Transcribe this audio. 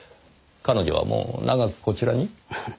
彼女はもう長くこちらに？